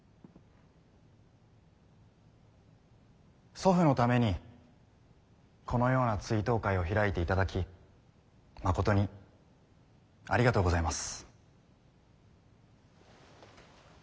祖父のためにこのような追悼会を開いていただきまことにありがとうございます。